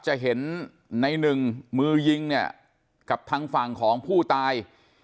จะเห็นในหนึ่งมือยิงเนี่ยกับทางฝั่งของผู้ตาย